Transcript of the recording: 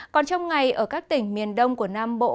còn trong ngày ở các tỉnh miền đông của nam bộ